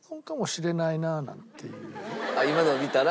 今のを見たら？